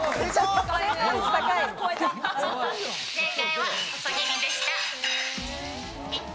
正解は細切りでした。